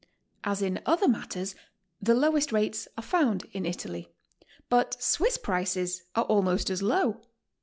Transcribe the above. As in other matters, the lowesJt rates are found in Italy, but Swiss prices are almost as low.